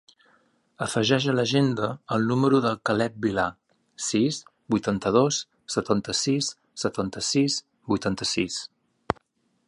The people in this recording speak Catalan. Afegeix a l'agenda el número del Caleb Vilar: sis, vuitanta-dos, setanta-sis, setanta-sis, vuitanta-sis.